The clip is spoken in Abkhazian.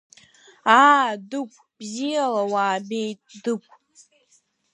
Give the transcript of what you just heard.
Аа, Дыгә, бзиала уаабеит, Дыгә!